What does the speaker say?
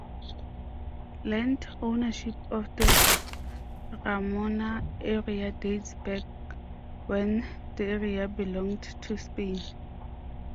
Land ownership of the Ramona area dates back when the area belonged to Spain.